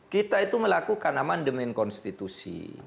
kita itu melakukan amandemen konstitusi